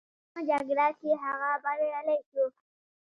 په دویمه جګړه کې هغه بریالی شو.